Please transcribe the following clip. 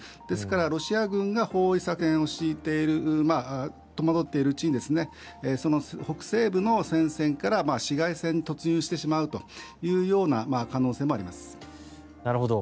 ですからロシア軍が包囲作戦を敷いている戸惑っているうちにその北西部の戦線から市街戦に突入してしまうというような可能性もあります。